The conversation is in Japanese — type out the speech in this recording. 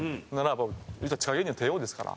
もう言うたら地下芸人の帝王ですから。